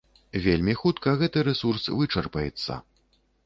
Вельмі хутка гэты рэсурс вычарпаецца.